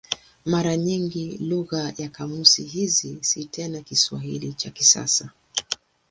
Mara nyingi lugha ya kamusi hizi si tena Kiswahili cha kisasa.